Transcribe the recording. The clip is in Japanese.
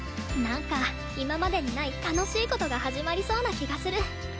なんか今までにない楽しいことが始まりそうな気がする。